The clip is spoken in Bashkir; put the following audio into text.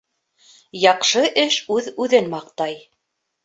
Яҡшы эш үҙ-үҙен маҡтай.